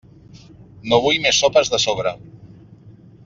No vull més sopes de sobre.